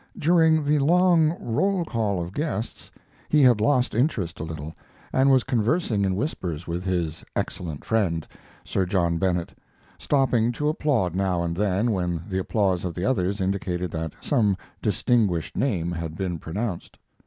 During the long roll call of guests he had lost interest a little, and was conversing in whispers with his "excellent friend," Sir John Bennett, stopping to applaud now and then when the applause of the others indicated that some distinguished name had been pronounced.